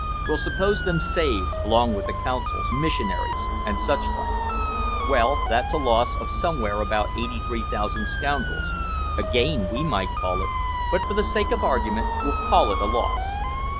We'll suppose them saved, along with the consuls, missionaries, and such like. Well, that's a loss of somewhere about 83,000 scoundrels, a gain we might call it, but for the sake of argument we'll call it a loss.